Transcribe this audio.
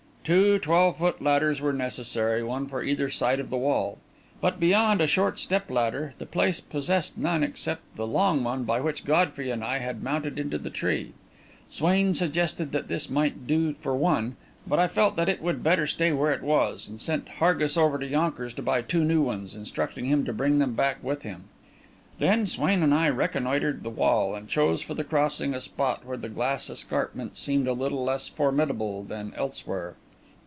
Two twelve foot ladders were necessary, one for either side of the wall; but, beyond a short step ladder, the place possessed none except the long one by which Godfrey and I had mounted into the tree. Swain suggested that this might do for one, but I felt that it would better stay where it was, and sent Hargis over to Yonkers to buy two new ones, instructing him to bring them back with him. Then Swain and I reconnoitred the wall, and chose for the crossing a spot where the glass escarpment seemed a little less formidable than elsewhere.